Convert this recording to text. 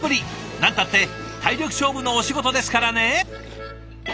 なんたって体力勝負のお仕事ですからね。